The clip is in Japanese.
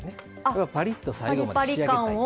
要はパリッと最後まで仕上げたい。